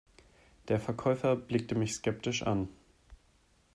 Der Verkäufer blickte mich skeptisch an.